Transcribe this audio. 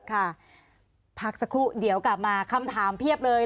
พักสักครู่เดี๋ยวกลับมาคำถามเพียบเลย